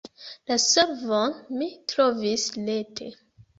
La solvon mi trovis rete.